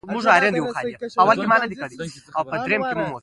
خپلو قواوو د تنظیمولو تر وخته پوري.